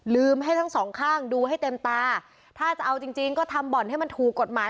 ให้ทั้งสองข้างดูให้เต็มตาถ้าจะเอาจริงจริงก็ทำบ่อนให้มันถูกกฎหมาย